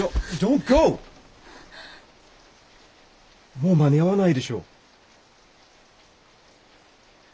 もう間に合わないでしょう。